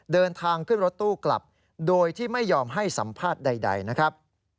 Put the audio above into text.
เดินทางขึ้นรถตู้กลับโดยที่ไม่ยอมให้สัมภาษณ์ใดนะครับ